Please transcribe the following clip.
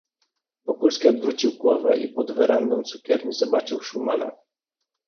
"Wokulski odwrócił głowę i pod werendą cukierni zobaczył Szumana."